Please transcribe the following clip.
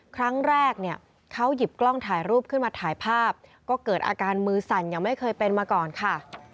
ครั้งแรกเนี่ยเขาหยิบกล้องถ่ายรูปขึ้นมาถ่ายภาพก็เกิดอาการมือสั่นอย่างไม่เคยเป็นมาก่อนค่ะ